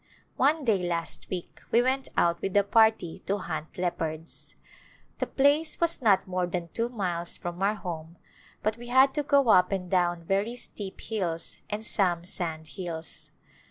One day last week we went out with a party to hunt leopards. The place was not more than two miles from our home but we had to go up and down very steep hills and some sand hills.